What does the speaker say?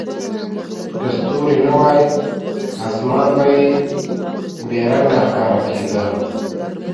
که ستوري نه وای، اسمان به بې رنګه ښکاره کېده.